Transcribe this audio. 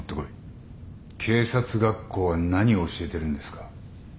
警察学校は何を教えてるんですか？